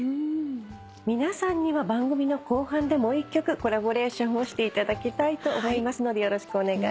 皆さんには番組の後半でもう１曲コラボレーションをしていただきたいと思いますのでよろしくお願いします。